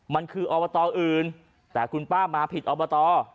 มันคืออบตอื่นแต่คุณป้ามาผิดอบต